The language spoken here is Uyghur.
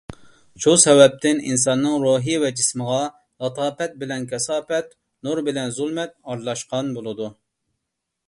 شۇ سەۋەبتىن ئىنساننىڭ روھى ۋە جىسمىغا لاتاپەت بىلەن كاساپەت، نۇر بىلەن زۇلمەت ئارىلاشقان بولىدۇ.